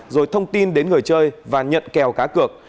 rồi thông tin đến người chơi và nhận kéo cá cực